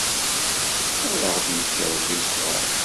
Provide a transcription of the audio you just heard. Ad aɣ-d-yefk Ṛebbi ṣṣber!